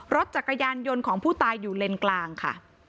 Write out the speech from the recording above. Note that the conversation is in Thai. รถจักรยานยนต์ของผู้ตายอยู่เลนกลางค่ะ